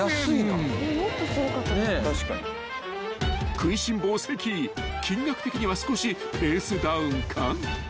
［食いしん坊関金額的には少しペースダウンか］